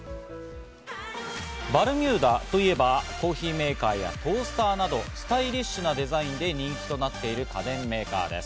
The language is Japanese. バルミューダといえばコーヒーメーカーやトースターなどスタイリッシュなデザインで人気となっている家電メーカーです。